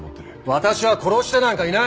私は殺してなんかいない！